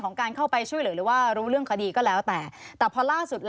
ก็คือสายลับที่ว่านี้กับตัวทนายเกิดผล